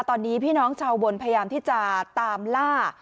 ตอนนี้พี่น้องชาวบนพยายามที่จะตามล่า